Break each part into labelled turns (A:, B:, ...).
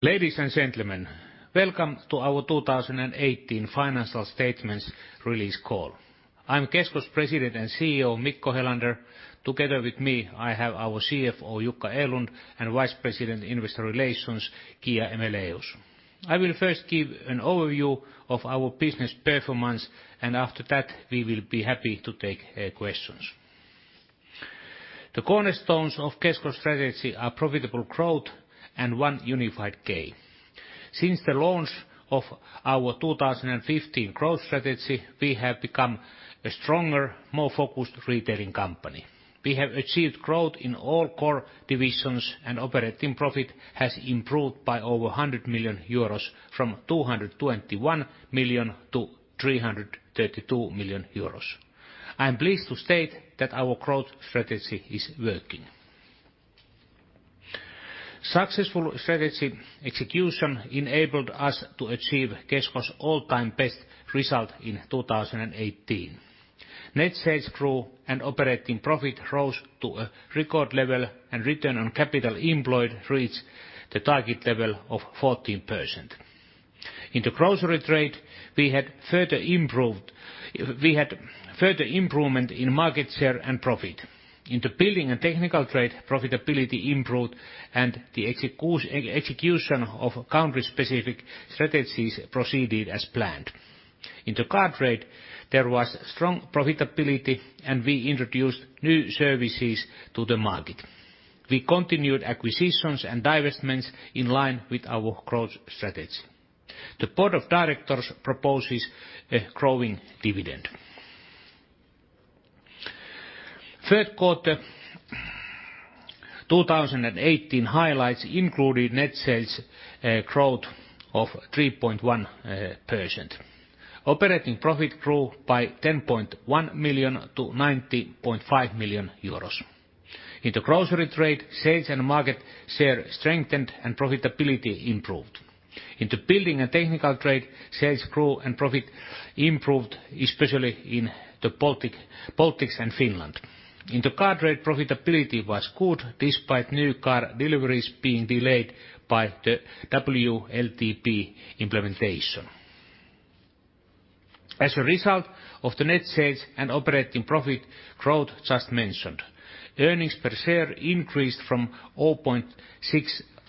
A: Ladies and gentlemen, welcome to our 2018 Financial Statements Release Call. I'm Kesko's President and CEO, Mikko Helander. Together with me, I have our CFO, Jukka Erlund, and Vice President, Investor Relations, Kia Aejmelaeus. I will first give an overview of our business performance, and after that, we will be happy to take questions. The cornerstones of Kesko's strategy are profitable growth and one unified game. Since the launch of our 2015 growth strategy, we have become a stronger, more focused retailing company. We have achieved growth in all core divisions, and operating profit has improved by over 100 million euros from 221 million to 332 million euros. I'm pleased to state that our growth strategy is working. Successful strategy execution enabled us to achieve Kesko's all-time best result in 2018. Net sales grew and operating profit rose to a record level, and return on capital employed reached the target level of 14%. In the grocery trade, we had further improvement in market share and profit. In the building and technical trade, profitability improved and the execution of country-specific strategies proceeded as planned. In the car trade, there was strong profitability and we introduced new services to the market. We continued acquisitions and divestments in line with our growth strategy. The board of directors proposes a growing dividend. Third quarter 2018 highlights included net sales growth of 3.1%. Operating profit grew by 10.1 million to 90.5 million euros. In the grocery trade, sales and market share strengthened and profitability improved. In the building and technical trade, sales grew and profit improved, especially in the Baltics and Finland. In the car trade, profitability was good despite new car deliveries being delayed by the WLTP implementation. As a result of the net sales and operating profit growth just mentioned, earnings per share increased from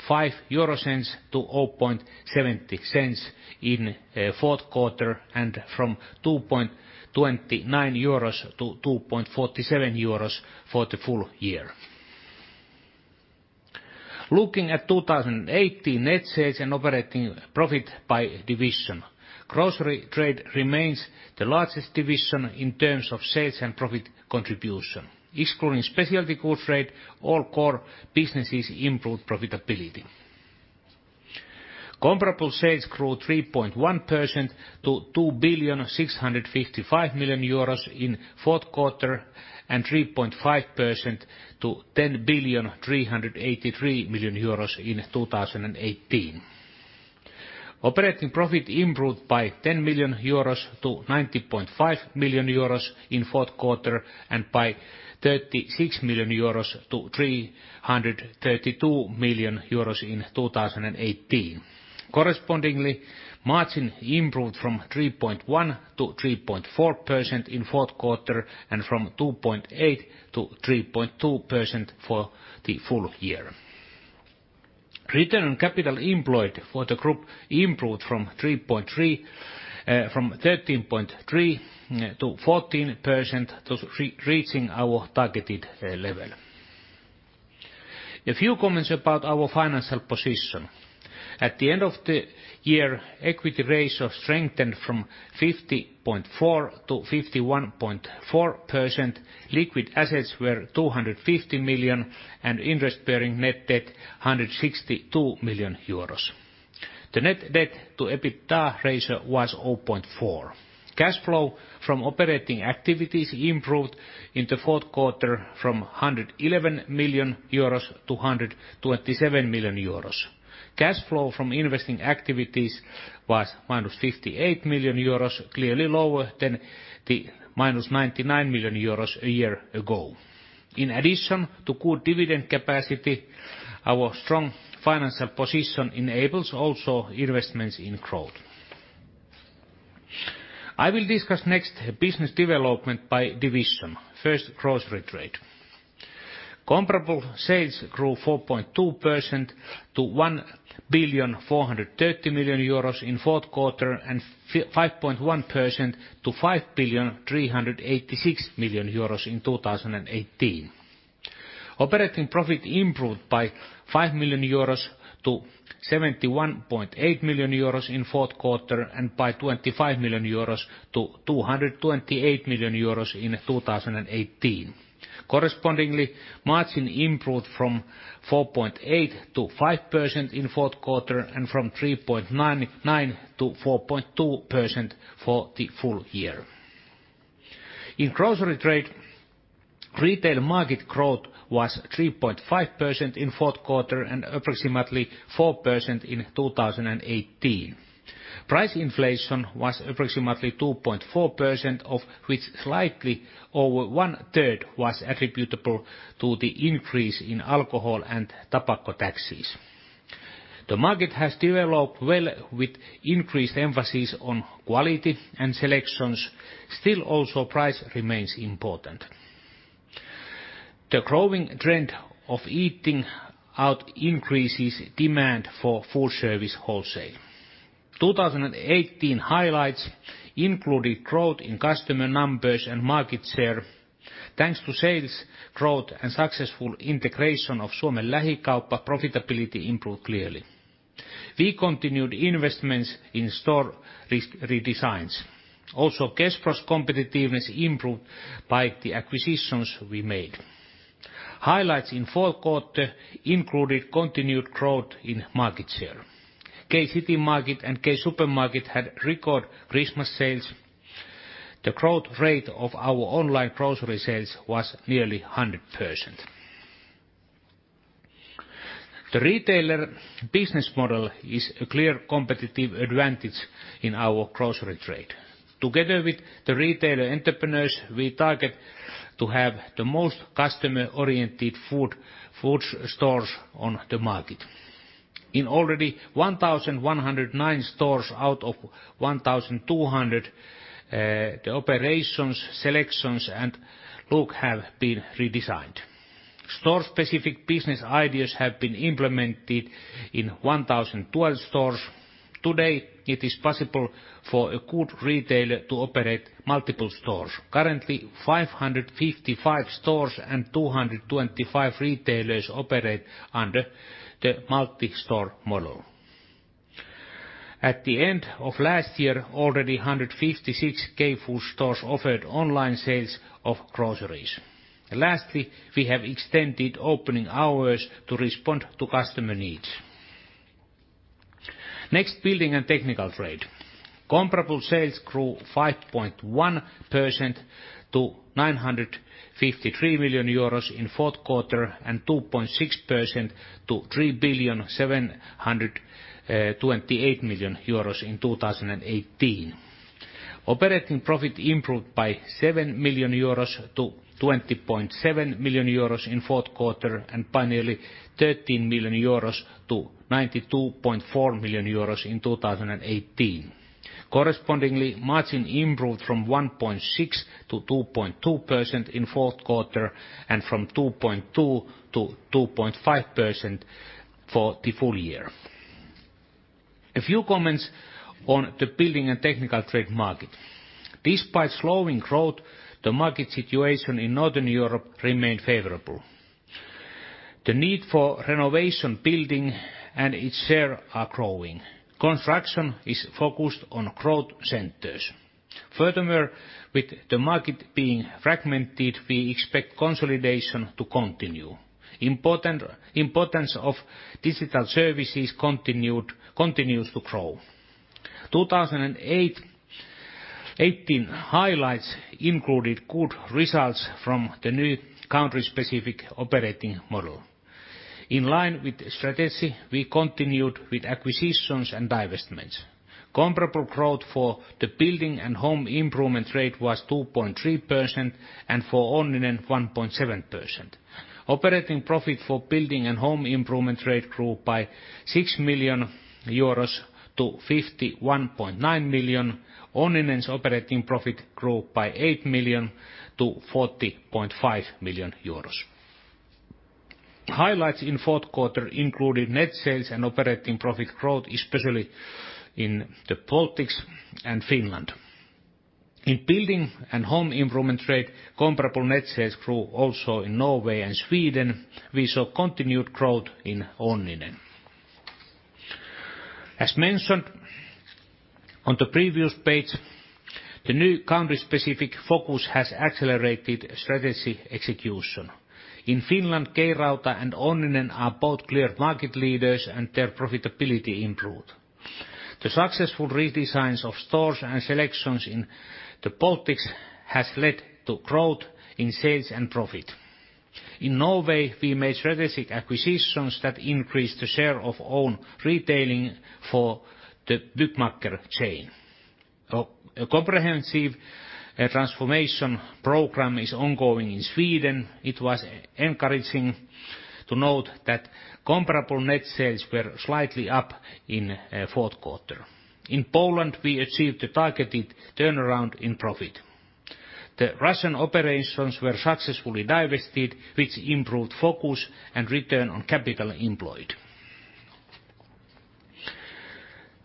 A: 0.65 to 0.70 in fourth quarter and from 2.29 euros to 2.47 euros for the full year. Looking at 2018 net sales and operating profit by division, grocery trade remains the largest division in terms of sales and profit contribution. Excluding specialty goods trade, all core businesses improved profitability. Comparable sales grew 3.1% to 2,655,000,000 euros in fourth quarter and 3.5% to 10,383,000,000 euros in 2018. Operating profit improved by 10 million euros to 90.5 million euros in fourth quarter and by 36 million euros to 332 million euros in 2018. Correspondingly, margin improved from 3.1% to 3.4% in fourth quarter and from 2.8% to 3.2% for the full year. Return on capital employed for the group improved from 13.3% to 14%, thus reaching our targeted level. A few comments about our financial position. At the end of the year, equity ratio strengthened from 50.4% to 51.4%. Liquid assets were 250 million and interest-bearing net debt, 162 million euros. The net debt to EBITDA ratio was 0.4. Cash flow from operating activities improved in the fourth quarter from 111 million euros to 127 million euros. Cash flow from investing activities was -58 million euros, clearly lower than the -99 million euros a year ago. In addition to good dividend capacity, our strong financial position enables also investments in growth. I will discuss next business development by division. First, grocery trade. Comparable sales grew 4.2% to 1,430 million euros in fourth quarter and 5.1% to 5,386 million euros in 2018. Operating profit improved by 5 million euros to 71.8 million euros in fourth quarter and by 25 million euros to 228 million euros in 2018. Correspondingly, margin improved from 4.8% to 5% in fourth quarter and from 3.99% to 4.2% for the full year. In grocery trade, retail market growth was 3.5% in fourth quarter and approximately 4% in 2018. Price inflation was approximately 2.4%, of which slightly over one third was attributable to the increase in alcohol and tobacco taxes. The market has developed well with increased emphasis on quality and selections. Still, also price remains important. The growing trend of eating out increases demand for food service wholesale. 2018 highlights included growth in customer numbers and market share. Thanks to sales growth and successful integration of Suomen Lähikauppa, profitability improved clearly. We continued investments in store redesigns. Also, Kespro's competitiveness improved by the acquisitions we made. Highlights in fourth quarter included continued growth in market share. K-Citymarket and K-Supermarket had record Christmas sales. The growth rate of our online grocery sales was nearly 100%. The retailer business model is a clear competitive advantage in our grocery trade. Together with the retailer entrepreneurs, we target to have the most customer-oriented food stores on the market. In already 1,109 stores out of 1,200, the operations, selections, and look have been redesigned. Store-specific business ideas have been implemented in 1,012 stores. Today, it is possible for a good retailer to operate multiple stores. Currently, 555 stores and 225 retailers operate under the multi-store model. At the end of last year, already 156 K food stores offered online sales of groceries. Lastly, we have extended opening hours to respond to customer needs. Next, building and technical trade. Comparable sales grew 5.1% to 953 million euros in fourth quarter and 2.6% to 3.728 billion in 2018. Operating profit improved by 7 million euros to 20.7 million euros in fourth quarter, and by nearly 13 million euros to 92.4 million euros in 2018. Correspondingly, margin improved from 1.6% to 2.2% in fourth quarter, and from 2.2% to 2.5% for the full year. A few comments on the building and technical trade market. Despite slowing growth, the market situation in Northern Europe remained favorable. The need for renovation, building, and its share are growing. Construction is focused on growth centers. Furthermore, with the market being fragmented, we expect consolidation to continue. Importance of digital services continues to grow. 2018 highlights included good results from the new country-specific operating model. In line with strategy, we continued with acquisitions and divestments. Comparable growth for the building and home improvement rate was 2.3% and for Onninen 1.7%. Operating profit for building and home improvement rate grew by 6 million euros to 51.9 million. Onninen's operating profit grew by 8 million to 40.5 million euros. Highlights in fourth quarter included net sales and operating profit growth, especially in the Baltics and Finland. In building and home improvement trade, comparable net sales grew also in Norway and Sweden. We saw continued growth in Onninen. As mentioned on the previous page, the new country-specific focus has accelerated strategy execution. In Finland, K-Rauta and Onninen are both clear market leaders and their profitability improved. The successful redesigns of stores and selections in the Baltics has led to growth in sales and profit. In Norway, we made strategic acquisitions that increased the share of own retailing for the Byggmakker chain. A comprehensive transformation program is ongoing in Sweden. It was encouraging to note that comparable net sales were slightly up in fourth quarter. In Poland, we achieved the targeted turnaround in profit. The Russian operations were successfully divested, which improved focus and return on capital employed.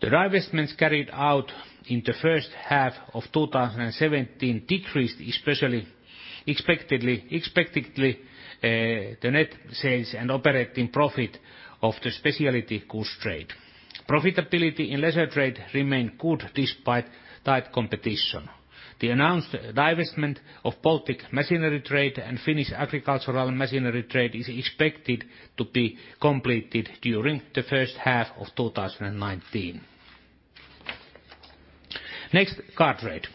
A: The divestments carried out in the first half of 2017 decreased expectedly the net sales and operating profit of the specialty goods trade. Profitability in leisure trade remained good despite tight competition. The announced divestment of Baltic Machinery Trade and Finnish Agricultural Machinery Trade is expected to be completed during the first half of 2019. Car trade.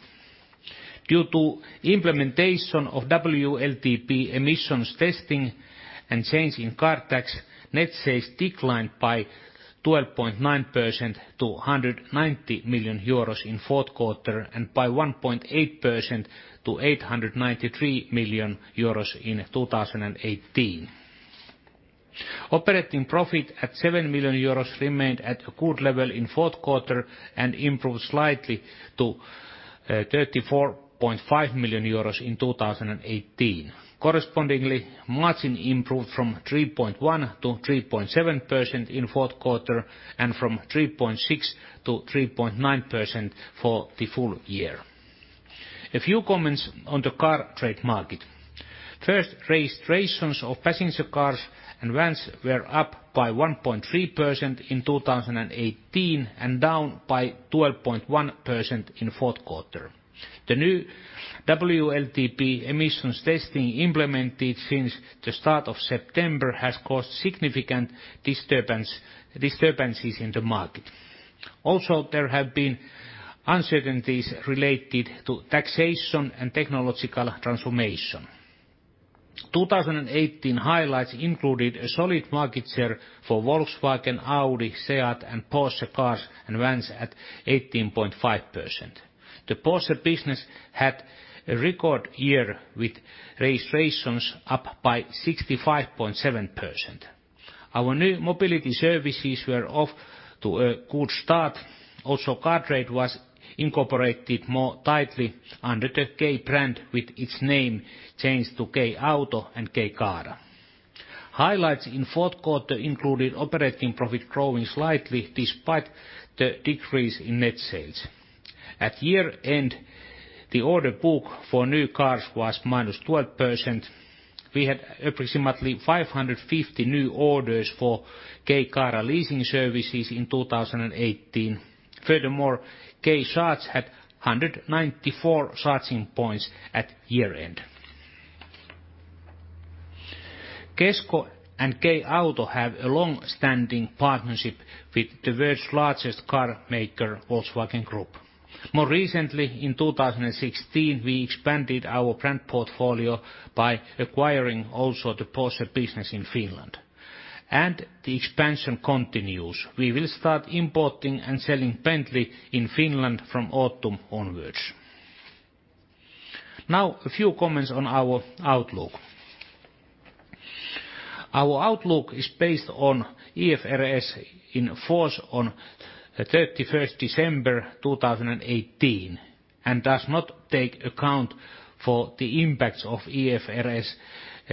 A: Due to implementation of WLTP emissions testing and change in car tax, net sales declined by 12.9% to 190 million euros in fourth quarter, and by 1.8% to 893 million euros in 2018. Operating profit at 7 million euros remained at a good level in fourth quarter and improved slightly to 34.5 million euros in 2018. Margin improved from 3.1% to 3.7% in fourth quarter, and from 3.6% to 3.9% for the full year. A few comments on the car trade market. First registrations of passenger cars and vans were up by 1.3% in 2018, and down by 12.1% in fourth quarter. The new WLTP emissions testing implemented since the start of September has caused significant disturbances in the market. Also, there have been uncertainties related to taxation and technological transformation. 2018 highlights included a solid market share for Volkswagen, Audi, SEAT, and Porsche cars and vans at 18.5%. The Porsche business had a record year with registrations up by 65.7%. Our new mobility services were off to a good start. Also, car trade was incorporated more tightly under the K brand, with its name changed to K-Auto and K-Caara. Highlights in fourth quarter included operating profit growing slightly despite the decrease in net sales. At year-end, the order book for new cars was -12%. We had approximately 550 new orders for K-Caara leasing services in 2018. Furthermore, K Charge had 194 charging points at year-end. Kesko and K-Auto have a long-standing partnership with the world's largest car maker, Volkswagen Group. More recently, in 2016, we expanded our brand portfolio by acquiring also the Porsche business in Finland. The expansion continues. A few comments on our outlook. Our outlook is based on IFRS in force on 31st December 2018 and does not take account for the impacts of IFRS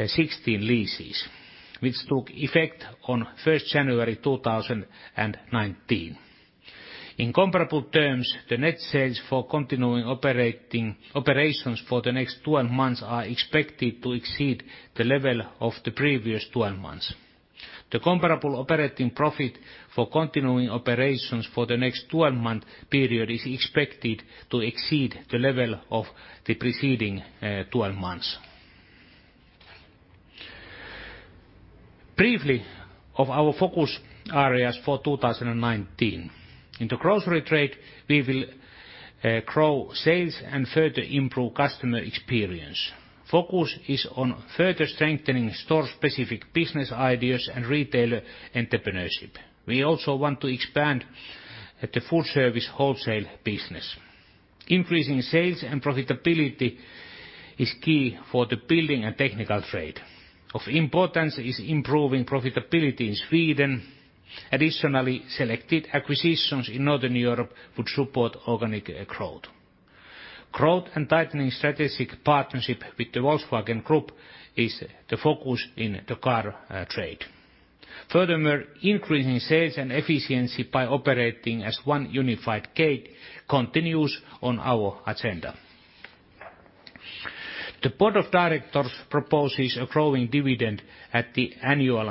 A: 16 leases, which took effect on 1st January 2019. In comparable terms, the net sales for continuing operations for the next 12 months are expected to exceed the level of the previous 12 months. The comparable operating profit for continuing operations for the next 12-month period is expected to exceed the level of the preceding 12 months. Briefly of our focus areas for 2019. In the grocery trade, we will grow sales and further improve customer experience. Focus is on further strengthening store-specific business ideas and retailer entrepreneurship. We also want to expand the food service wholesale business. Increasing sales and profitability is key for the building and technical trade. Of importance is improving profitability in Sweden. Additionally, selected acquisitions in Northern Europe would support organic growth. Growth and tightening strategic partnership with the Volkswagen Group is the focus in the car trade. Increasing sales and efficiency by operating as one unified K continues on our agenda. The board of directors proposes a growing dividend to the annual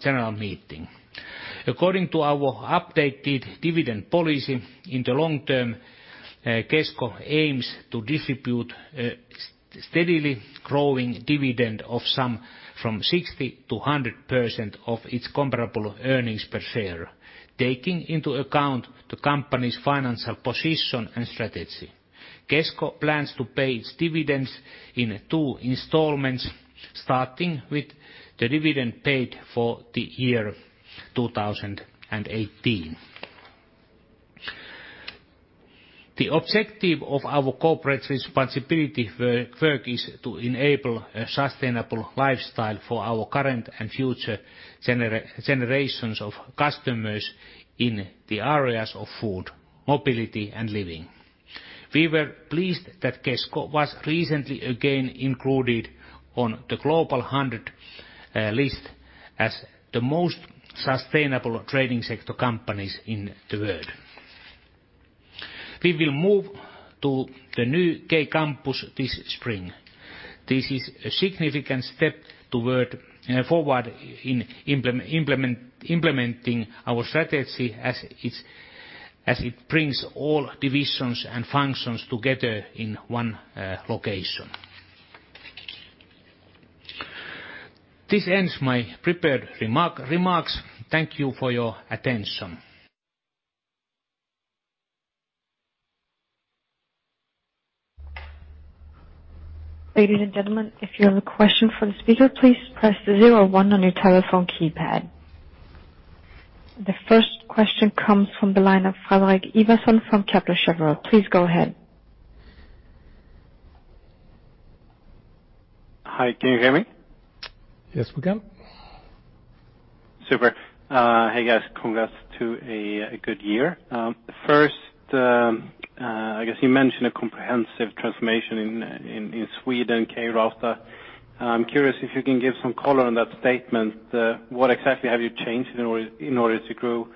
A: general meeting. According to our updated dividend policy in the long term, Kesko aims to distribute a steadily growing dividend of sum from 60% to 100% of its comparable earnings per share, taking into account the company's financial position and strategy. Kesko plans to pay its dividends in two installments, starting with the dividend paid for the year 2018. The objective of our corporate responsibility work is to enable a sustainable lifestyle for our current and future generations of customers in the areas of food, mobility, and living. We were pleased that Kesko was recently again included on the Global 100 list as the most sustainable trading sector companies in the world. We will move to the new K-Kampus this spring. This is a significant step forward in implementing our strategy as it brings all divisions and functions together in one location. This ends my prepared remarks. Thank you for your attention.
B: Ladies and gentlemen, if you have a question for the speaker, please press zero one on your telephone keypad. The first question comes from the line of Fredrik Ivarsson from Kepler Cheuvreux. Please go ahead.
C: Hi, can you hear me?
A: Yes, we can.
C: Super. Hey, guys. Congrats to a good year. First, I guess you mentioned a comprehensive transformation in Sweden, K-Rauta. I'm curious if you can give some color on that statement. What exactly have you changed in order to grow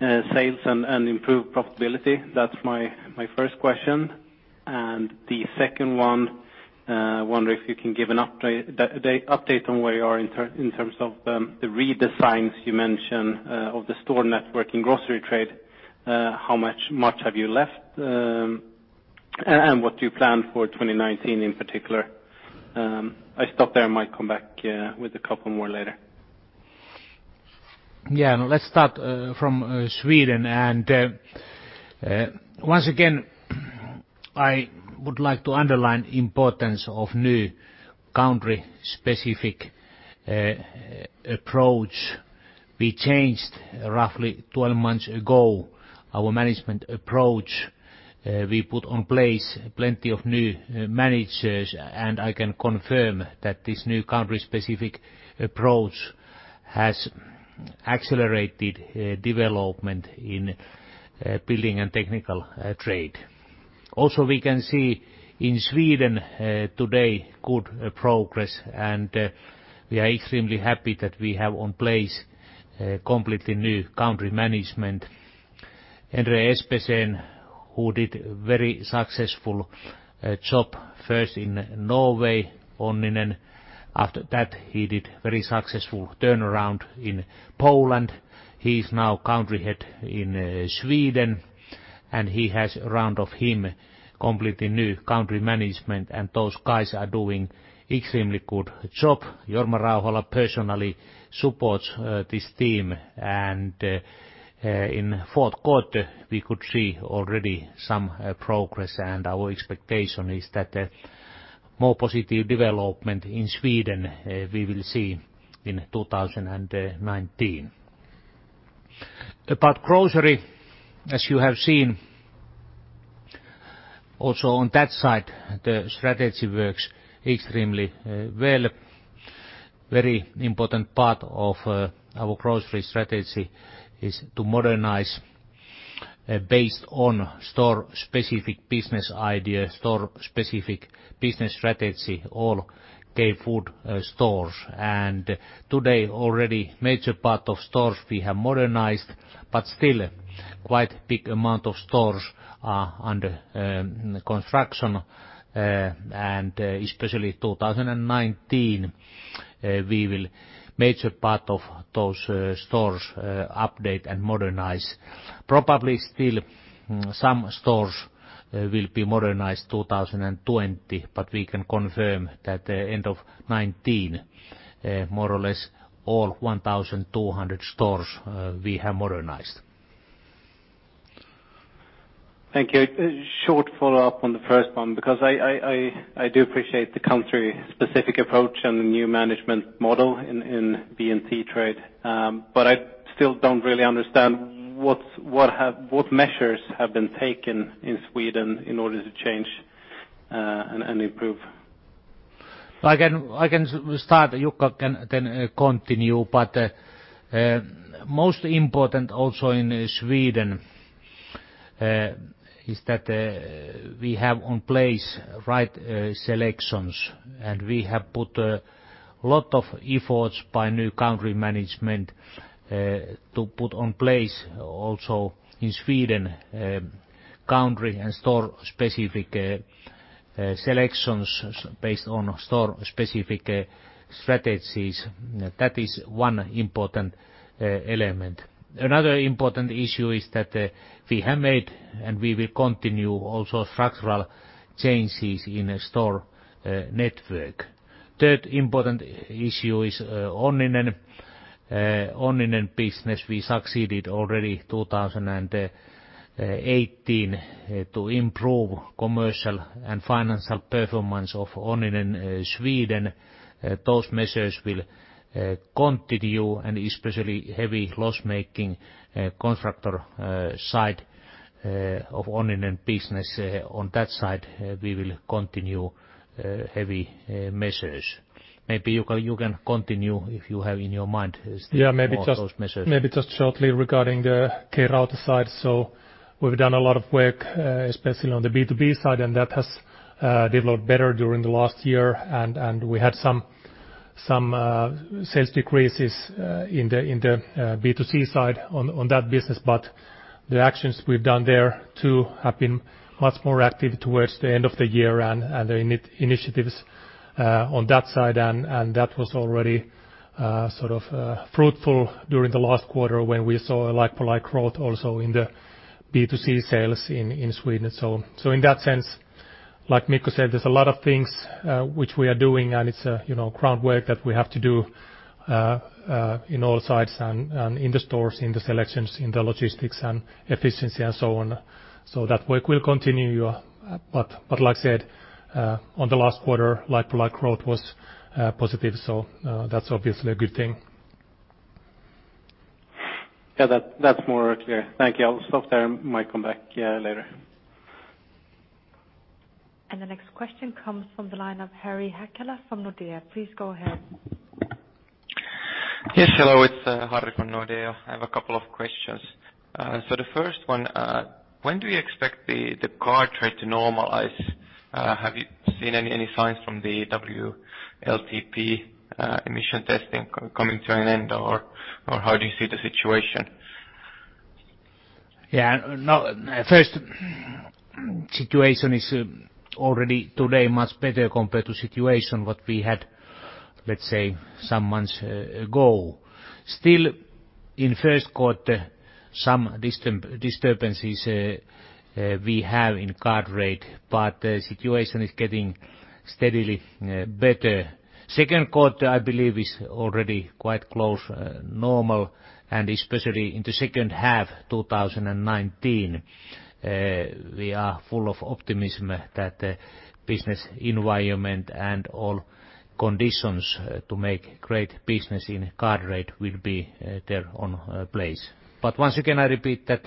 C: sales and improve profitability? That's my first question. The second one, I wonder if you can give an update on where you are in terms of the redesigns you mentioned of the store network in grocery trade. How much have you left? What do you plan for 2019 in particular? I stop there and might come back with a couple more later.
A: Yeah, let's start from Sweden. Once again, I would like to underline importance of new country-specific approach. We changed roughly 12 months ago our management approach. We put in place plenty of new managers, and I can confirm that this new country-specific approach has accelerated development in building and technical trade. Also we can see in Sweden today good progress, and we are extremely happy that we have in place completely new country management. Endre Espeseth, who did very successful job first in Norway, Onninen. After that, he did very successful turnaround in Poland. He's now country head in Sweden, and he has round of him completely new country management, and those guys are doing extremely good job. Jorma Rauhala personally supports this team. In fourth quarter, we could see already some progress, and our expectation is that more positive development in Sweden we will see in 2019. About grocery, as you have seen, also on that side, the strategy works extremely well. Very important part of our grocery strategy is to modernize based on store-specific business idea, store-specific business strategy, all K-Food stores. Today, already major part of stores we have modernized, but still quite big amount of stores are under construction. Especially 2019, we will major part of those stores update and modernize. Probably still some stores will be modernized 2020, but we can confirm that the end of 2019, more or less all 1,200 stores we have modernized.
C: Thank you. Short follow-up on the first one, because I do appreciate the country-specific approach and the new management model in B&T Trade. I still don't really understand what measures have been taken in Sweden in order to change and improve.
A: I can start. Jukka can continue. Most important also in Sweden is that we have in place right selections, and we have put a lot of efforts by new country management to put in place also in Sweden country and store-specific selections based on store-specific strategies. That is one important element. Another important issue is that we have made, and we will continue also structural changes in store network. Third important issue is Onninen business. We succeeded already 2018 to improve commercial and financial performance of Onninen Sweden. Those measures will continue and especially heavy loss-making contractor side of Onninen business. On that side, we will continue heavy measures. Maybe you can continue if you have in your mind more of those measures.
D: Maybe just shortly regarding the K-Rauta side. We've done a lot of work, especially on the B2B side, and that has developed better during the last year. We had some sales decreases in the B2C side on that business, the actions we've done there too have been much more active towards the end of the year and the initiatives on that side and that was already fruitful during the last quarter when we saw a like-for-like growth also in the B2C sales in Sweden. In that sense, like Mikko said, there's a lot of things which we are doing, and it's groundwork that we have to do in all sides and in the stores, in the selections, in the logistics and efficiency and so on. That work will continue. Like I said on the last quarter, like-for-like growth was positive, that's obviously a good thing.
C: Yeah. That's more clear. Thank you. I'll stop there. Might come back later.
B: The next question comes from the line of Harri Hakala from Nordea. Please go ahead.
E: Yes, hello. It's Harri from Nordea. I have a couple of questions. The first one, when do you expect the car trade to normalize? Have you seen any signs from the WLTP emission testing coming to an end, or how do you see the situation?
A: Yeah. First, situation is already today much better compared to situation what we had, let's say, some months ago. Still, in first quarter, some disturbances we have in car trade, but the situation is getting steadily better. Second quarter, I believe, is already quite close normal, and especially in the second half 2019, we are full of optimism that the business environment and all conditions to make great business in car trade will be there on place. Once again, I repeat that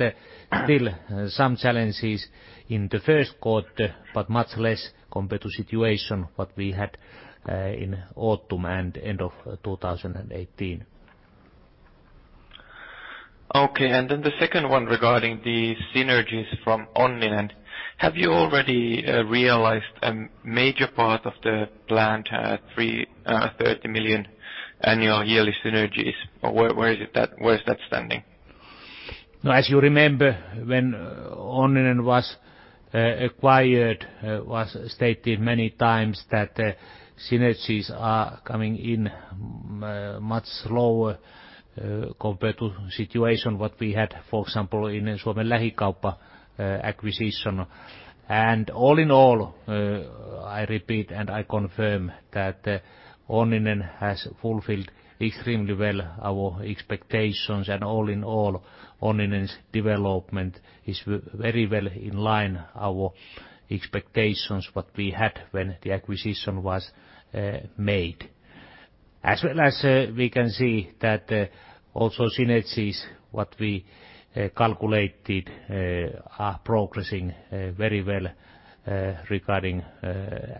A: still some challenges in the first quarter, but much less compared to situation what we had in autumn and end of 2018.
E: Okay, the second one regarding the synergies from Onninen, have you already realized a major part of the planned 30 million annual yearly synergies, or where is that standing?
A: As you remember, when Onninen was acquired, was stated many times that synergies are coming in much slower compared to situation what we had, for example, in Suomen Lähikauppa acquisition. All in all, I repeat, and I confirm that Onninen has fulfilled extremely well our expectations. All in all, Onninen's development is very well in line our expectations what we had when the acquisition was made. As well as we can see that also synergies what we calculated are progressing very well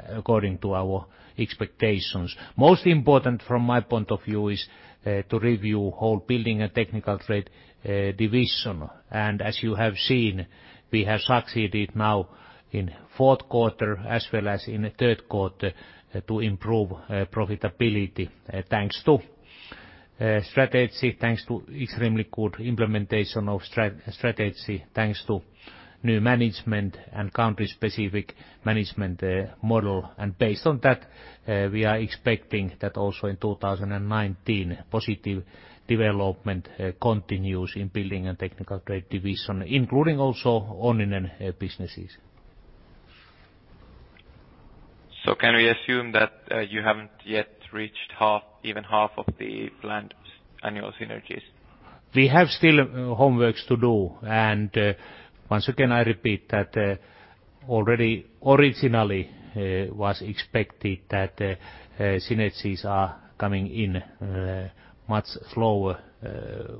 A: according to our expectations. Most important, from my point of view, is to review whole building and technical trade division. As you have seen, we have succeeded now in fourth quarter as well as in third quarter to improve profitability, thanks to strategy, thanks to extremely good implementation of strategy, thanks to new management, and country-specific management model. Based on that, we are expecting that also in 2019, positive development continues in building and technical trade division, including also Onninen businesses.
E: Can we assume that you haven't yet reached even half of the planned annual synergies?
A: We have still homework to do. Once again, I repeat that already originally was expected that synergies are coming in much slower,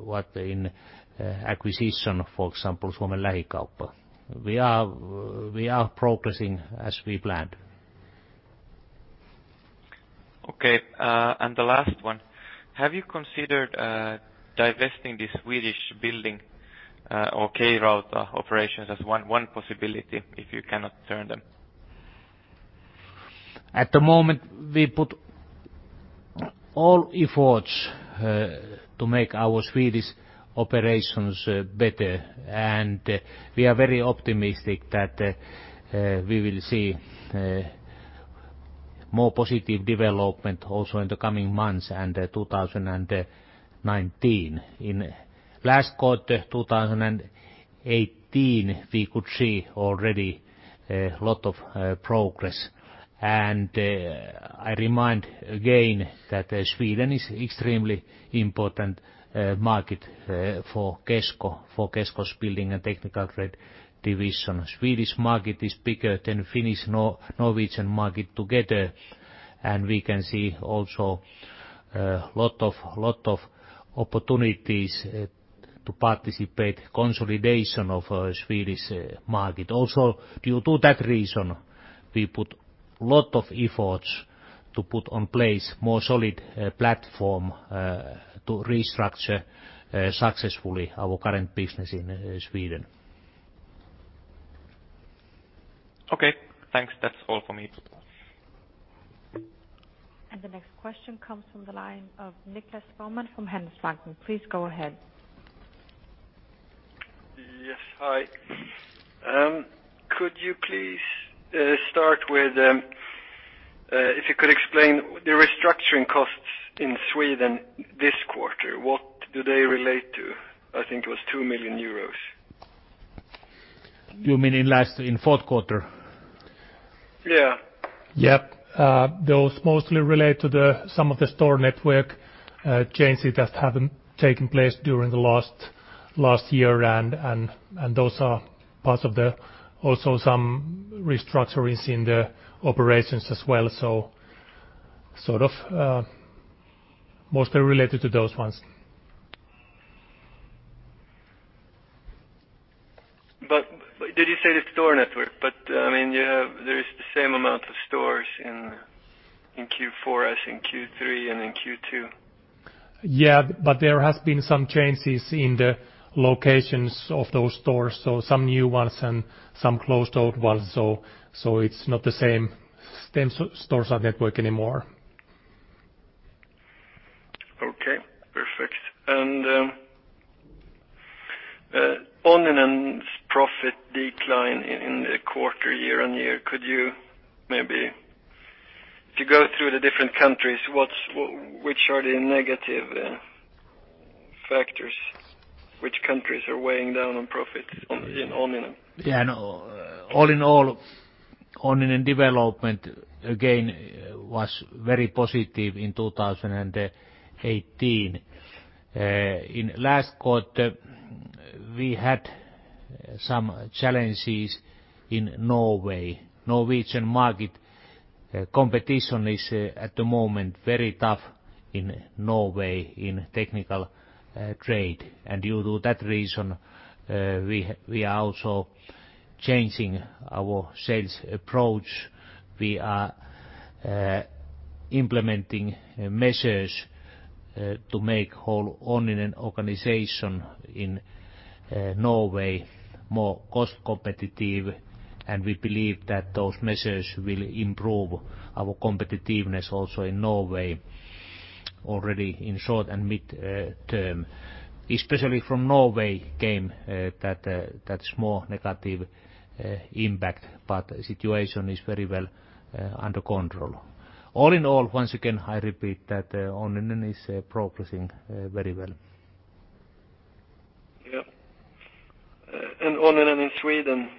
A: what in acquisition, for example, Suomen Lähikauppa. We are progressing as we planned.
E: Okay, the last one. Have you considered divesting the Swedish building or K-Rauta operations as one possibility if you cannot turn them?
A: At the moment, we put all efforts to make our Swedish operations better. We are very optimistic that we will see more positive development also in the coming months and 2019. In last quarter 2018, we could see already a lot of progress. I remind again that Sweden is extremely important market for Kesko's building and technical trade division. Swedish market is bigger than Finnish, Norwegian market together. We can see also lot of opportunities to participate consolidation of Swedish market. Due to that reason, we put lot of efforts to put on place more solid platform to restructure successfully our current business in Sweden.
E: Okay, thanks. That's all for me.
B: The next question comes from the line of Nicklas Skogman from Handelsbanken, please go ahead.
F: Yes. Hi. Could you please start with, if you could explain the restructuring costs in Sweden this quarter, what do they relate to? I think it was 2 million euros.
D: You mean in last, in fourth quarter?
F: Yeah.
D: Yep. Those mostly relate to some of the store network changes that have taken place during the last year. Those are parts of the also some restructurings in the operations as well. Mostly related to those ones.
F: Did you say the store network? There's the same amount of stores in Q4 as in Q3 and in Q2.
D: There has been some changes in the locations of those stores, some new ones and some closed old ones. It's not the same stores or network anymore.
F: Okay, perfect. Onninen's profit decline in the quarter year-on-year. Could you maybe, if you go through the different countries, which are the negative factors? Which countries are weighing down on profits in Onninen?
A: All in all, Onninen development again was very positive in 2018. In last quarter, we had some challenges in Norway. Norwegian market competition is at the moment very tough in Norway in technical trade. Due to that reason, we are also changing our sales approach. We are implementing measures to make whole Onninen organization in Norway more cost competitive. We believe that those measures will improve our competitiveness also in Norway, already in short and mid-term. Especially from Norway came that small negative impact, but the situation is very well under control. All in all, once again, I repeat that Onninen is progressing very well.
F: Yeah. Onninen in Sweden,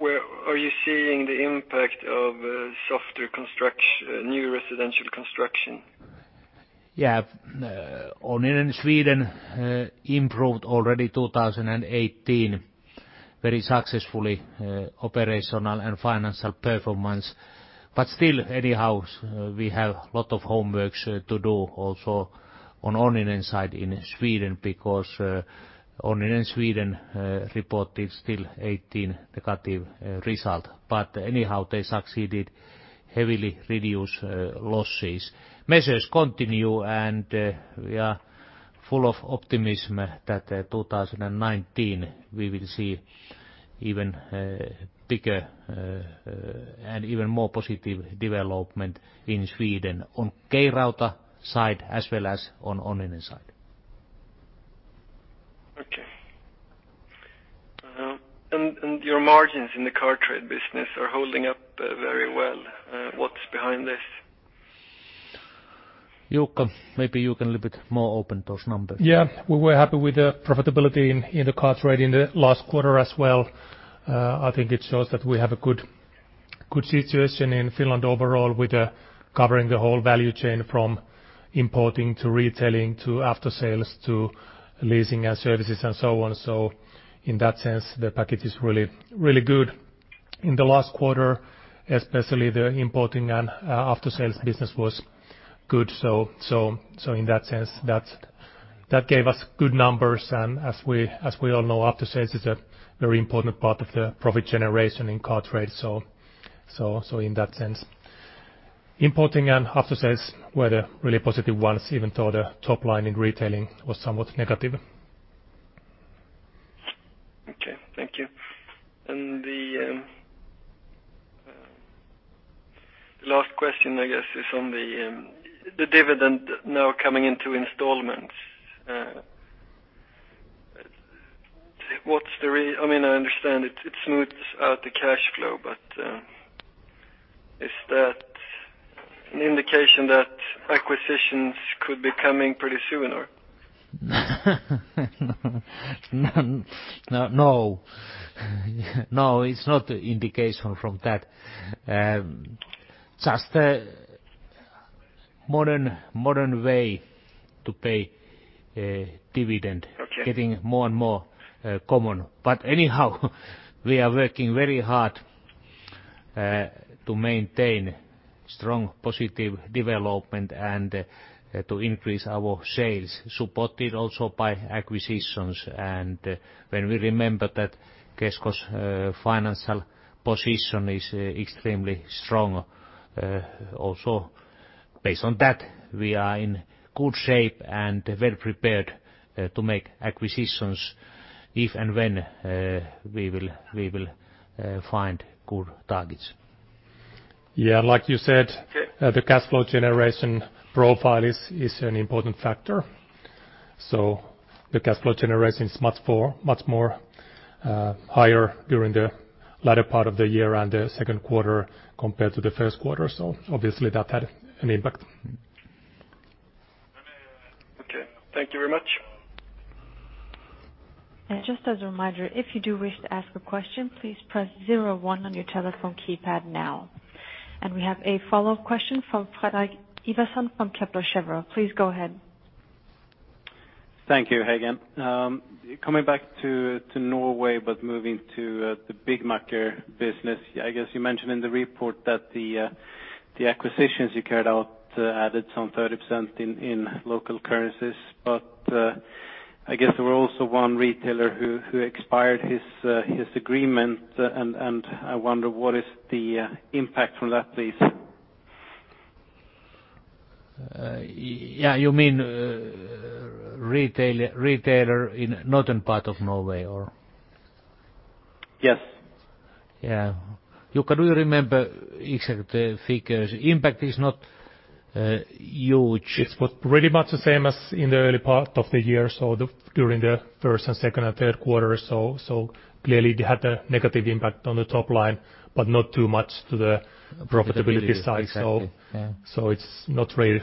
F: where are you seeing the impact of softer new residential construction?
A: Yeah. Onninen Sweden improved already 2018, very successfully operational and financial performance. Still anyhow, we have lot of homework to do also on Onninen side in Sweden because Onninen Sweden reported still 2018 negative result. Anyhow, they succeeded heavily reduce losses. Measures continue, and we are full of optimism that 2019 we will see even bigger and even more positive development in Sweden on K-Rauta side as well as on Onninen side.
F: Okay. Your margins in the car trade business are holding up very well. What's behind this?
A: Jukka, maybe you can a little bit more open those numbers.
D: Yeah. We were happy with the profitability in the cars trade in the last quarter as well. I think it shows that we have a good situation in Finland overall with covering the whole value chain from importing to retailing, to aftersales, to leasing and services and so on. In that sense, the package is really good. In the last quarter, especially the importing and aftersales business was good. In that sense, that gave us good numbers. As we all know, aftersales is a very important part of the profit generation in car trade. In that sense, importing and aftersales were the really positive ones, even though the top line in retailing was somewhat negative.
F: Okay, thank you. The last question, I guess, is on the dividend now coming into installments. I understand it smooths out the cash flow, is that an indication that acquisitions could be coming pretty soon or?
D: No. No, it's not indication from that. Just a modern way to pay dividend.
F: Okay.
A: Getting more and more common. Anyhow, we are working very hard to maintain strong positive development and to increase our sales, supported also by acquisitions. When we remember that Kesko's financial position is extremely strong, also based on that we are in good shape and well prepared to make acquisitions if and when we will find good targets. Yeah, like you said, the cash flow generation profile is an important factor. The cash flow generation is much more higher during the latter part of the year and the second quarter compared to the first quarter. Obviously that had an impact.
F: Okay. Thank you very much.
B: Just as a reminder, if you do wish to ask a question, please press zero one on your telephone keypad now. We have a follow-up question from Fredrik Ivarsson from Kepler Cheuvreux. Please go ahead.
C: Thank you, [Hege]. Coming back to Norway, but moving to the Byggmakker business. I guess you mentioned in the report that the acquisitions you carried out added some 30% in local currencies. But I guess there was also one retailer who expired his agreement, and I wonder what is the impact from that, please?
A: Yeah. You mean retailer in northern part of Norway or?
C: Yes.
A: Yeah. You can remember exact figures. Impact is not huge.
D: It's pretty much the same as in the early part of the year, during the first, second, and third quarter. Clearly it had a negative impact on the top line, but not too much to the profitability side.
A: Profitability. Exactly. Yeah.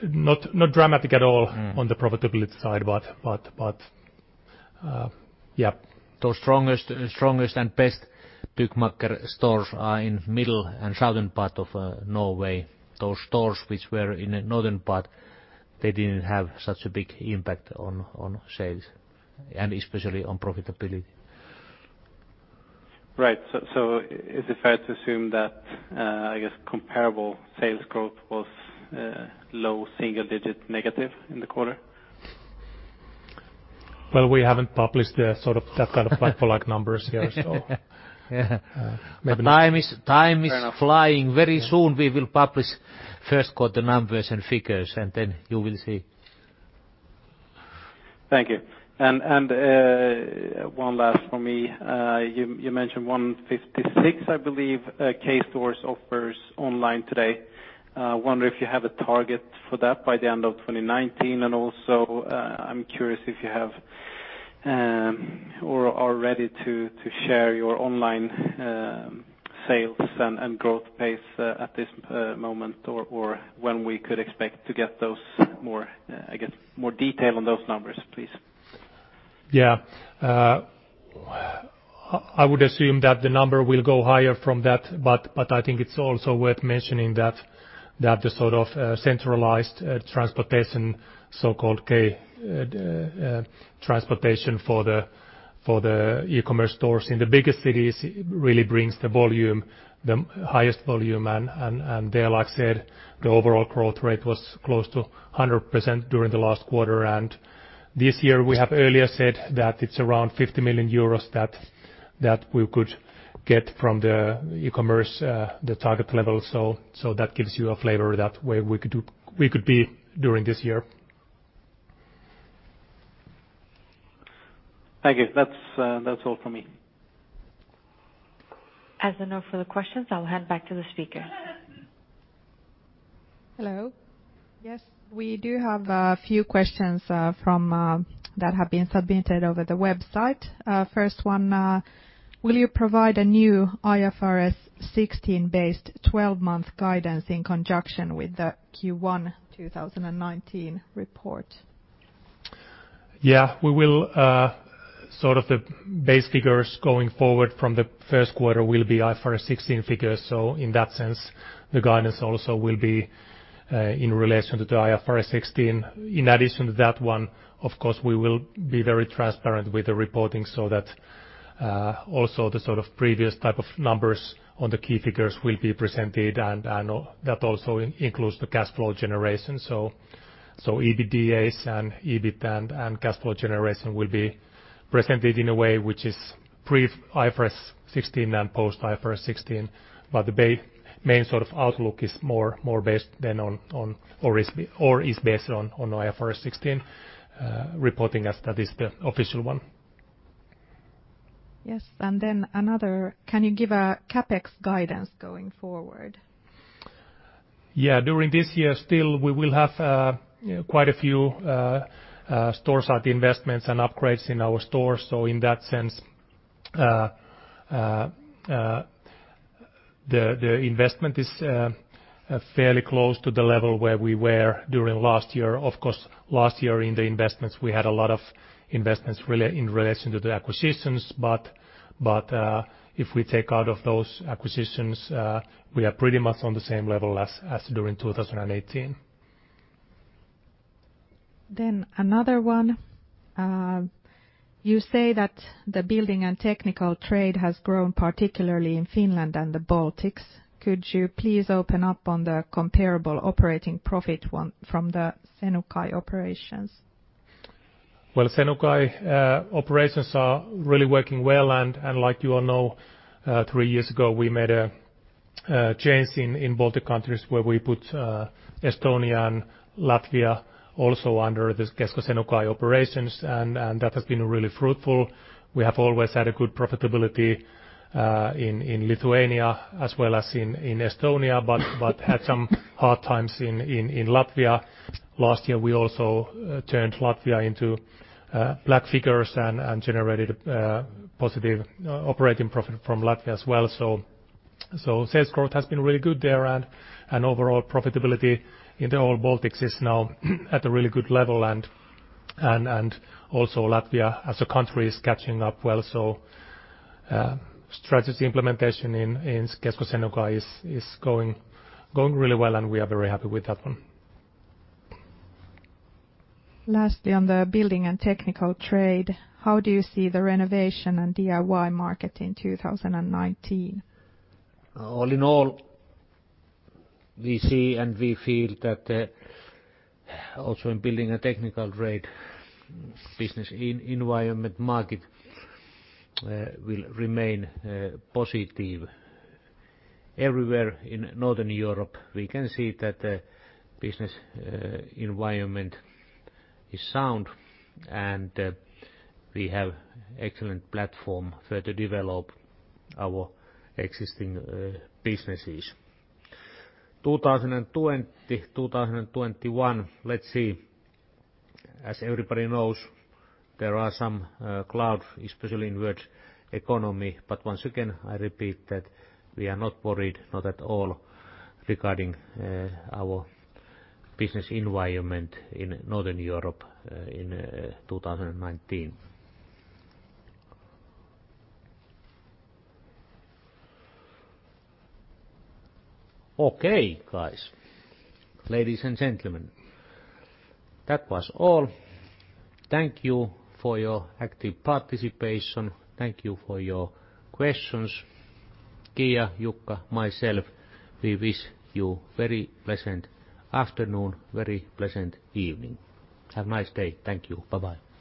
D: It's not dramatic at all on the profitability side, but, yeah.
A: The strongest and best Byggmakker stores are in middle and southern part of Norway. Those stores which were in the northern part, they didn't have such a big impact on sales and especially on profitability.
C: Right. Is it fair to assume that, I guess comparable sales growth was low single digit negative in the quarter?
D: Well, we haven't published that kind of like for like numbers here, so maybe-
A: Time is flying. Very soon we will publish first quarter numbers and figures, and then you will see.
C: Thank you. One last from me. You mentioned 156, I believe, K stores offers online today. I wonder if you have a target for that by the end of 2019, and also I'm curious if you have or are ready to share your online sales and growth pace at this moment, or when we could expect to get those more, I guess, more detail on those numbers, please.
D: I would assume that the number will go higher from that, but I think it's also worth mentioning that the sort of centralized transportation, so-called K transportation for the e-commerce stores in the biggest cities, really brings the volume, the highest volume. There, like I said, the overall growth rate was close to 100% during the last quarter. This year, we have earlier said that it's around 50 million euros that we could get from the e-commerce, the target level. That gives you a flavor that where we could be during this year.
C: Thank you. That's all from me.
B: As there are no further questions, I'll hand back to the speaker.
G: Hello. Yes, we do have a few questions that have been submitted over the website. First one, will you provide a new IFRS 16 based 12-month guidance in conjunction with the Q1 2019 report?
D: Yeah, we will. Sort of the base figures going forward from the first quarter will be IFRS 16 figures. In that sense, the guidance also will be in relation to the IFRS 16. In addition to that one, of course, we will be very transparent with the reporting so that also the sort of previous type of numbers on the key figures will be presented, and that also includes the cash flow generation. EBITDA and EBIT and cash flow generation will be presented in a way which is pre-IFRS 16 and post-IFRS 16. The main sort of outlook is more based than on or is based on IFRS 16 reporting as that is the official one.
G: Yes. Then another. Can you give a CapEx guidance going forward?
D: Yeah. During this year still, we will have quite a few store site investments and upgrades in our stores. In that sense the investment is fairly close to the level where we were during last year. Of course, last year in the investments, we had a lot of investments in relation to the acquisitions. If we take out of those acquisitions, we are pretty much on the same level as during 2018.
G: Then another one. You say that the building and technical trade has grown, particularly in Finland and the Baltics. Could you please open up on the comparable operating profit from the Senukai operations?
D: Well, Senukai operations are really working well. Like you all know, three years ago we made a change in Baltic countries where we put Estonia and Latvia also under the Kesko Senukai operations, and that has been really fruitful. We have always had a good profitability in Lithuania as well as in Estonia, but had some hard times in Latvia. Last year, we also turned Latvia into black figures and generated positive operating profit from Latvia as well. Sales growth has been really good there, and overall profitability in the whole Baltics is now at a really good level. Also Latvia as a country is catching up well. Strategy implementation in Kesko Senukai is going really well, and we are very happy with that one.
G: Lastly, on the building and technical trade, how do you see the renovation and DIY market in 2019?
A: All in all, we see and we feel that also in building and technical trade business environment market will remain positive. Everywhere in Northern Europe, we can see that the business environment is sound, and we have excellent platform to further develop our existing businesses. 2020, 2021, let's see. As everybody knows, there are some clouds, especially in world economy. Once again, I repeat that we are not worried, not at all, regarding our business environment in Northern Europe in 2019. Okay, guys. Ladies and gentlemen, that was all. Thank you for your active participation. Thank you for your questions. Kia, Jukka, myself, we wish you very pleasant afternoon, very pleasant evening. Have a nice day. Thank you. Bye-bye.